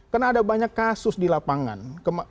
karena ada banyak kasus di lapangan